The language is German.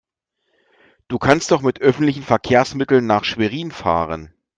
Du kannst doch mit öffentlichen Verkehrsmitteln nach Schwerin fahren